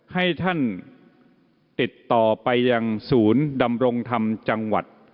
ให้ท่านติดต่อไปยังศูนย์ดำรงธรรมจังหวัด